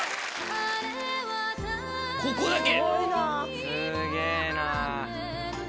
ここだけ！